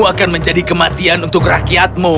akan menjadi kematian untuk rakyatmu